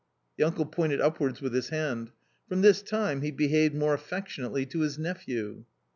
The uncle pointed upwards with his hand. From this time he behaved more affectionately to his nephew.